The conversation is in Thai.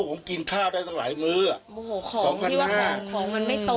ของที่ว่าของมันไม่ตรง